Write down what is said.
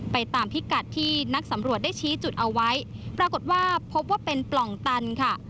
ตามพิกัดที่นักสำรวจได้ชี้จุดเอาไว้ปรากฏว่าพบว่าเป็นปล่องตันค่ะ